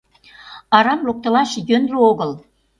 Арам локтылаш йӧнлӧ огыл...